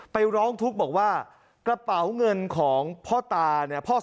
ไปร้องทุกข์บอกว่ากระเป๋าเงินของพ่อตาเนี่ย